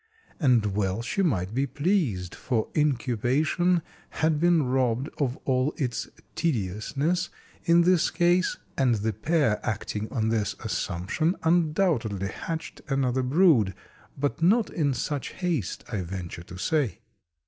And well she might be pleased, for incubation had been robbed of all its tediousness in this case and the pair acting on this assumption undoubtedly hatched another brood, but not in such haste, I venture to say."